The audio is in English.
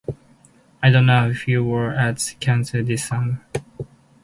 I don't know if you were at Cannes this summer.